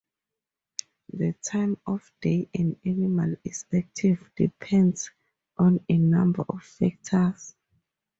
The time of day an animal is active depends on a number of factors.